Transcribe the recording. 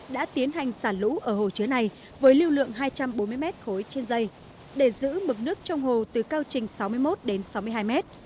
đã tiến hành xả lũ ở hồ chứa này với lưu lượng hai trăm bốn mươi mét khối trên dây để giữ mực nước trong hồ từ cao trình sáu mươi một đến sáu mươi hai mét